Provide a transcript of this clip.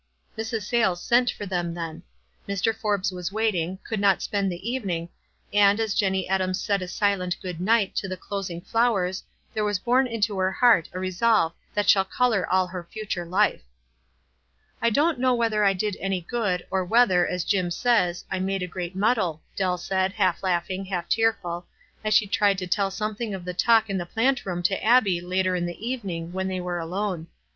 Mrs. Sayles sent for them then. Mr. Forbes was waiting, could not spend the evening, and as Jenny Adams said a silent good night to the closing flowers there was born into her heart a resolve that shall color all her future life. " I don't know whether I did any good, or whether, as Jim says, I ' made a great muddle,'" Dell said, half laughing, half tearful, as she tried to tell something of the talk in the plant room to Abbie later in the evening, when they were alone.